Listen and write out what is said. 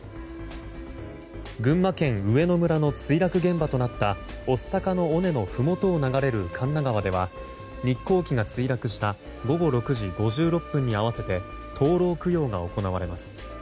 群馬県上野村の墜落現場となった御巣鷹の尾根のふもとを流れる神流川では日航機が墜落した午後６時５６分に合わせて灯籠供養が行われます。